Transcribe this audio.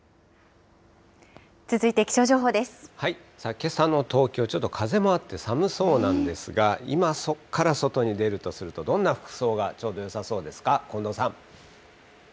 けさの東京、ちょっと風もあって寒そうなんですが、今、そこから外に出るとなるとどんな服装がちょうどよさそうですか、近藤さん。